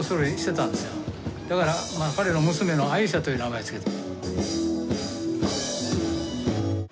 だから彼の娘のアイーシャという名前を付けて。